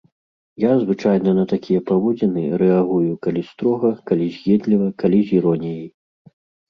Я звычайна на такія паводзіны рэагую, калі строга, калі з'едліва, калі з іроніяй.